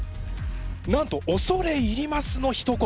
なんと「恐れ入ります」のひと言。